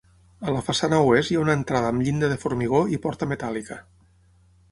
A la façana oest hi ha una entrada amb llinda de formigó i porta metàl·lica.